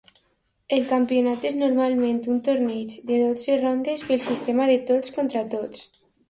El campionat és normalment un torneig de dotze rondes pel sistema de tots contra tots.